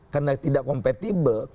karena tidak kompatibel